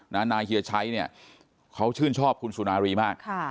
นายเฮียชัยเนี่ยเขาชื่นชอบคุณสุนารีมาก